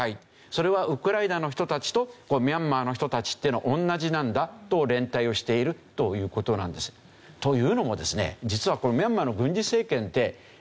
それはウクライナの人たちとミャンマーの人たちっていうのは同じなんだと連帯をしているという事なんです。というのもですね